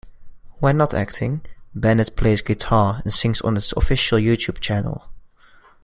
When not acting, Bennett plays guitar and sings on his official YouTube channel.